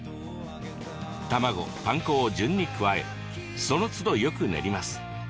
卵、パン粉を順に加えそのつど、よく練ります。